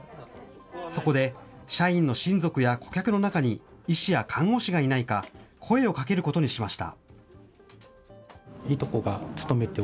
そこで、社員の親族や顧客の中に医師や看護師がいないか、声をかけることにしました。